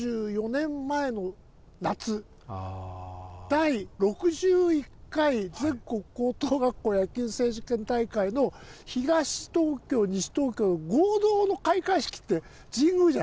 第６１回全国高等学校野球選手権大会の東東京西東京の合同の開会式って神宮じゃないですか。